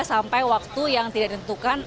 sampai waktu yang tidak ditentukan